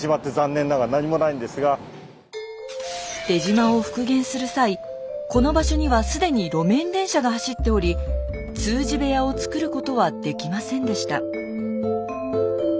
出島を復元する際この場所には既に路面電車が走っており通詞部屋を造ることはできませんでした。